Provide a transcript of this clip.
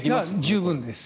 十分です。